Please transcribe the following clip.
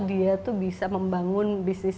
dia tuh bisa membangun bisnis